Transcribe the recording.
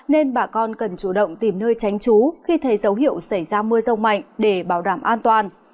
nên bà con cần chủ động tìm nơi tránh trú khi thấy dấu hiệu xảy ra mưa rông mạnh để bảo đảm an toàn